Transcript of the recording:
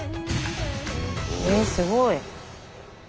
えっすごい！